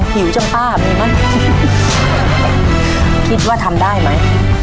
หิวจังป้ามีมั้ยคิดว่าทำได้ไหม